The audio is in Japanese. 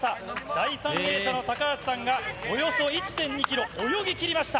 第３泳者の高橋さんが、およそ１．２キロ、泳ぎきりました。